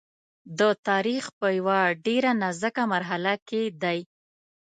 د تاریخ په یوه ډېره نازکه مرحله کې دی.